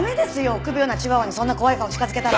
臆病なチワワにそんな怖い顔近づけたら。